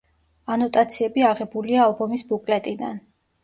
ანოტაციები აღებულია ალბომის ბუკლეტიდან.